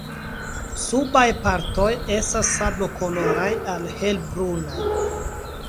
Subaj partoj estas sablokoloraj al helbrunaj.